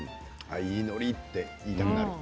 いいのりって言いたくなる。